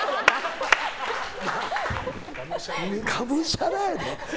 がむしゃらやで。